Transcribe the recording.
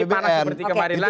panas seperti kemarin lagi